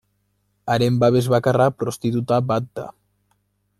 Haren babes bakarra prostituta bat da.